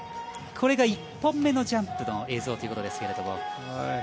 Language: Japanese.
これが１本目のジャンプの映像ということですが。